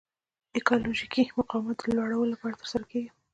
ایکالوژیکي مقاومت د لوړلولو لپاره ترسره کیږي.